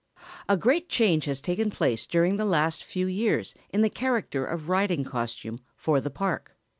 ] A great change has taken place during the last few years in the character of riding costume for the Park.